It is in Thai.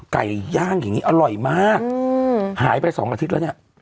ไก่ย่างอย่างนี้อร่อยมากหายไปสองอาทิตย์แล้วเนี่ย